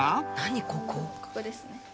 ここですね。